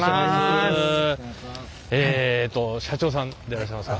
えっと社長さんでいらっしゃいますか？